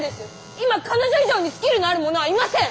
今彼女以上にスキルのある者はいません！